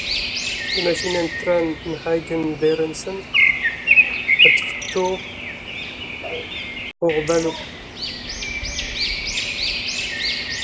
The Hagen-Dieringhausen railway runs through the valley.